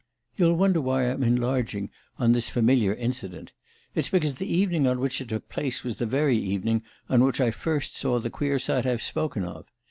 "You'll wonder why I'm enlarging on this familiar incident. It's because the evening on which it took place was the very evening on which I first saw the queer sight I've spoken of.